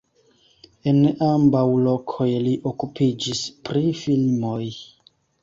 En ambaŭ lokoj li okupiĝis pri filmoj.